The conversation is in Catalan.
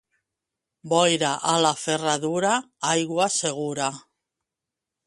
Boira a la Ferradura, aigua segura.